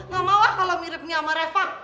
gak mau lah kalau miripnya sama reva